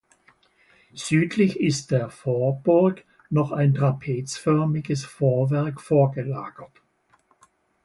Südlich ist der Vorburg noch ein trapezförmiges Vorwerk vorgelagert.